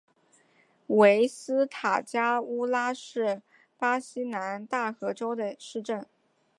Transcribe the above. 维斯塔加乌沙是巴西南大河州的一个市镇。